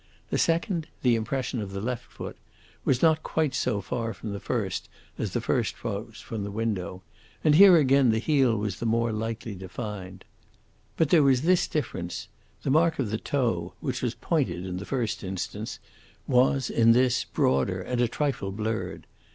The second, the impression of the left foot, was not quite so far from the first as the first was from the window, and here again the heel was the more lightly defined. But there was this difference the mark of the toe, which was pointed in the first instance, was, in this, broader and a trifle blurred.